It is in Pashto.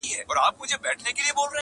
• دا کږې وږي بګړۍ به -